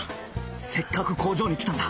せっかく工場に来たんだ。